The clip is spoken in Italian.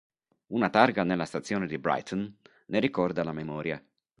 Una targa nella stazione di Brighton ne ricorda la memoria.